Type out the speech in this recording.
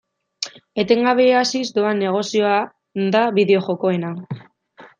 Etengabe haziz doan negozioa da bideo-jokoena.